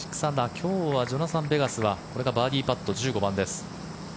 今日はジョナサン・ベガスはこれがバーディーパット１５番です。